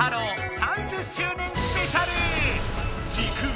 ３０周年スペシャル！